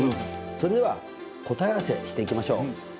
それでは答え合わせしていきましょう。